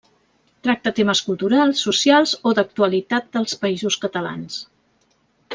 Tracta temes culturals, socials o d'actualitat dels Països Catalans.